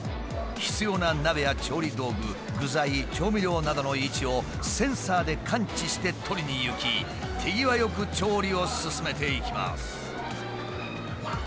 必要な鍋や調理道具具材調味料などの位置をセンサーで感知して取りに行き手際良く調理を進めていきます。